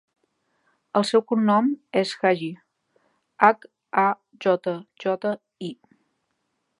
El seu cognom és Hajji: hac, a, jota, jota, i.